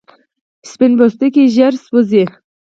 سپین پوستکی ژر سوځي